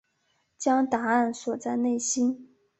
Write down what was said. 将答案锁在内心